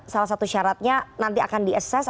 salah satu syaratnya nanti akan diakses